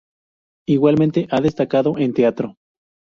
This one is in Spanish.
Igualmente ha destacado en teatro.